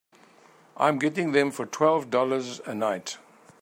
I'm getting them for twelve dollars a night.